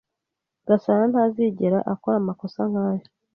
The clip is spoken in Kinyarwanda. Gasana ntazigera akora amakosa nkaya.